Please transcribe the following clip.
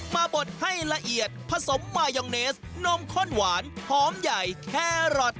บดให้ละเอียดผสมมายองเนสนมข้นหวานหอมใหญ่แครอท